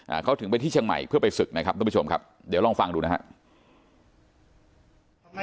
เขาถึงไปที่เชียงใหม่เพื่อไปศึกนะครับทุกผู้ชมครับเดี๋ยวลองฟังดูนะฮะ